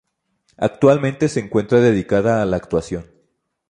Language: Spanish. Actualmente se encuentra dedicada a la actuación.